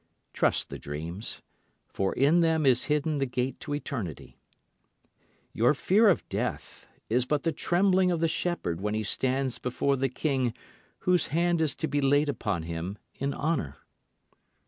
Trust the dreams, for in them is hidden the gate to eternity. Your fear of death is but the trembling of the shepherd when he stands before the king whose hand is to be laid upon him in honour.